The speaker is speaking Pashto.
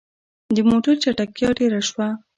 د موټر چټکتيا ډيره شوه.